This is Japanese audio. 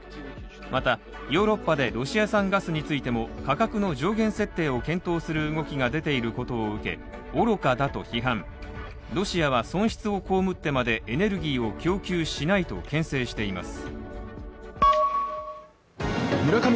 また、ヨーロッパでロシア産ガスについても価格の上限設定を検討する動きが出ていることを受け、愚かだと批判、ロシアは損失を被ってまでエネルギーを供給しないとけん制しています。